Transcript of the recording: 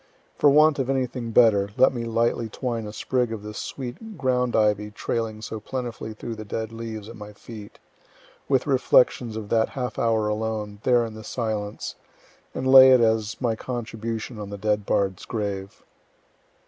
For want of anything better, let me lightly twine a sprig of the sweet ground ivy trailing so plentifully through the dead leaves at my feet, with reflections of that half hour alone, there in the silence, and lay it as my contribution on the dead bard's grave.